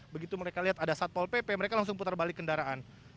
begitu mereka lihat ada satpol pp mereka langsung putar balik kendaraan